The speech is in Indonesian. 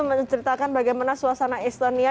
menceritakan bagaimana suasana estonia